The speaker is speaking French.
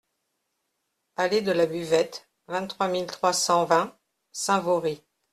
Allée de la Buvette, vingt-trois mille trois cent vingt Saint-Vaury